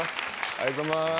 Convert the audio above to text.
ありがとうございます。